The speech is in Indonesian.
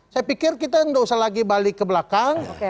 saya pikir kita tidak usah lagi balik ke belakang